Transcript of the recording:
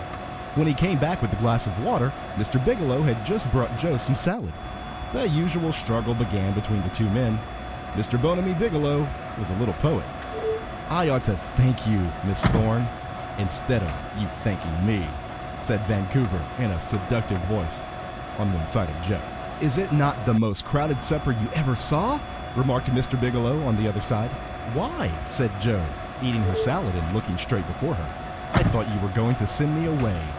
When he came back with the glass of water Mr. Biggielow had just brought Joe some salad. The usual struggle began between the two men. Mr. Bonamy Biggielow was a little poet. "I ought to thank you, Miss Thorn, instead of you thanking me," said Vancouver, in a seductive voice, on one side of Joe. "Is it not the most crowded supper you ever saw?" remarked Mr. Biggielow on the other side. "Why?" said Joe, eating her salad and looking straight before her. "I thought you were going to send me away.